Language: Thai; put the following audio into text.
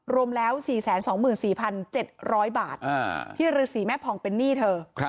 รวมแล้ว๔๒๔๗๐๐บาทที่ฤษีแม่ผ่องเป็นหนี้เธอ